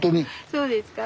そうですか？